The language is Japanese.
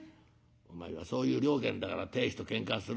「お前はそういう了見だから亭主とけんかするんだよ。